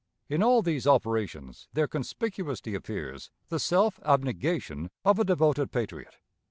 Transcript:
In all these operations there conspicuously appears the self abnegation of a devoted patriot.